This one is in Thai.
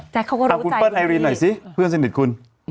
จากคุณเปิ้ลไอรินหน่อยซิเพื่อนสนิทคุณ